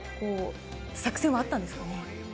作戦はあったんですかね。